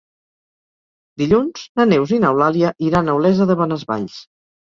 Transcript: Dilluns na Neus i n'Eulàlia iran a Olesa de Bonesvalls.